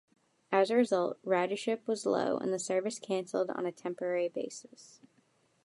As a result, ridership was low and the service cancelled on a "temporary" basis.